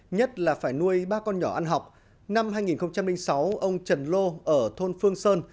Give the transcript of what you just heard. nhất là phải nuôi ba con nhỏ ăn học năm hai nghìn sáu ông trần lô ở thôn phương sơn